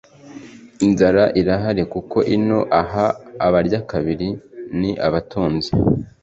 Inzara irahari kuko ino aha abarya kabiri ni abatunzi